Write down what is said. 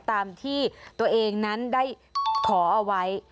ตามที่ตัวเองนั้นได้ขอเอาไว้